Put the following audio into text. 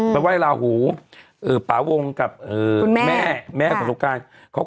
แล้วว่ายลาหูป๊าวงกับแม่แม่สมงวงครับ